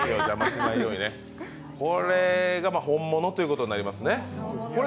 これが本物ということになりますね。